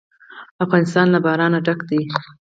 افغانستان له باران ډک دی.